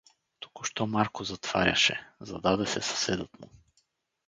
Току-що Марко затваряше, зададе се съседът му.